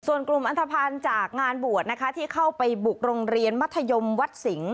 ส่วนกลุ่มอันทภัณฑ์จากงานบวชนะคะที่เข้าไปบุกโรงเรียนมัธยมวัดสิงห